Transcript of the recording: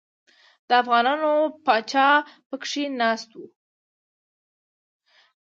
د افغانانو پاچا پکښې ناست دی.